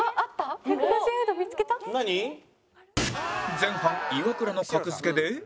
前半イワクラの格付けで